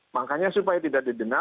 makanya supaya tidak didenda